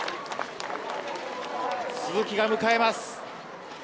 鈴木が迎えます。